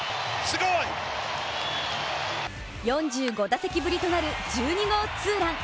４５打席ぶりとなる１２号ツーラン。